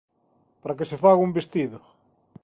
Para que se faga un vestido.